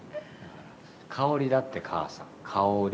香織だって、母さん、香織。